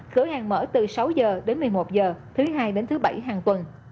cửa hàng mở từ sáu giờ đến một mươi một giờ thứ hai đến thứ bảy hàng tuần